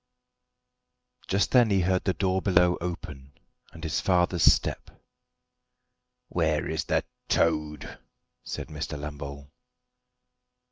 Just then he heard the door below open, and his father's step. "Where is the toad?" said Mr. Lambole.